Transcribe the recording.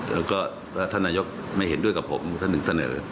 แล้วก็ถ้าท่านนายกไม่เห็นด้วยกับผมท่านถึงเสนอ